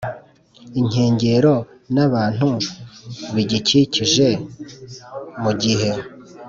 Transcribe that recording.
Inkengero n abantu bigikikije mu gihe